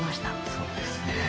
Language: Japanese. そうですね。